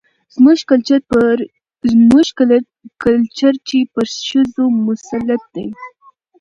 زموږ کلچر چې پر ښځو مسلط دى،